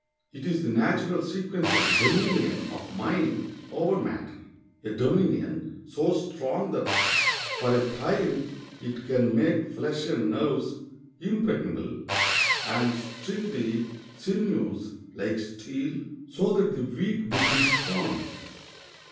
It is the natural sequence of the dominion of mind over matter—a dominion so strong that for a time it can make flesh and nerves impregnable, and string the sinews like steel, so that the weak become strong.